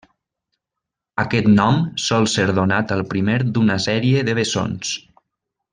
Aquest nom sol ser donat al primer d'una sèrie de bessons.